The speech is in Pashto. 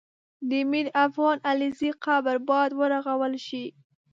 د میرافغان علیزي قبر باید ورغول سي